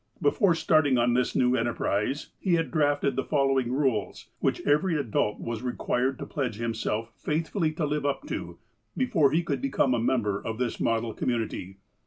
Before start ing on this new enterprise, he had drafted the following rules, which every adult was required to pledge himself faithfully to live up to, before he could become a member of this model community.